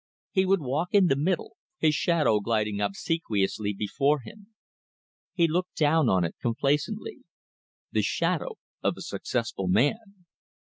He would walk in the middle, his shadow gliding obsequiously before him. He looked down on it complacently. The shadow of a successful man!